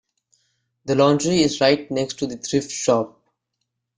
The laundry is right next to the thrift shop.